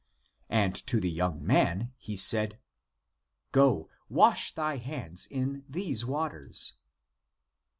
" And to the young man he said, " Go, wash thy hands in these waters."